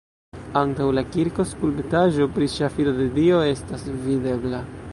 Antaŭ la kirko skulptaĵo pri ŝafido de Dio estas videbla.